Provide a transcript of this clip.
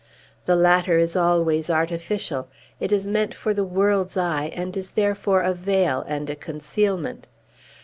The latter is always artificial; it is meant for the world's eye, and is therefore a veil and a concealment.